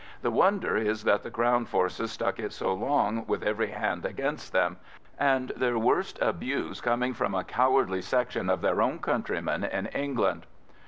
The wonder is that the Crown forces stuck it so long with every hand against them, and their worst abuse coming from a cowardly section of their own countrymen in England.